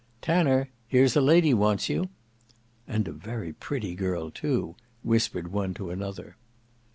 "Tanner, here's a lady wants you." "And a very pretty girl too," whispered one to another.